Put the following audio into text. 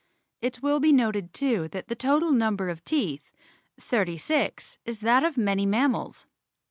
It will be noted too that the total number of teeth (thirty six) is that of many mammals.